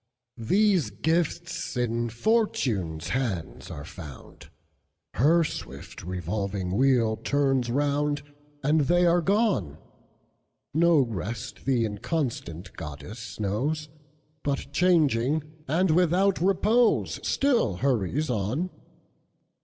These gifts in Fortune's hands are found; Her swift revolving wheel turns round, And they are gone! No rest the inconstant goddess knows, But changing, and without repose, Still hurries on.